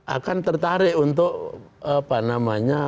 akan tertarik untuk apa namanya